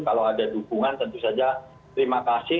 kalau ada dukungan tentu saja terima kasih